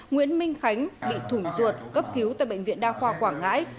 nguyễn minh khánh bị thủng ruột cấp cứu tại bệnh viện đa khoa quảng ngãi